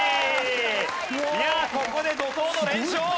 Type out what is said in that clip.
いやあここで怒濤の連勝！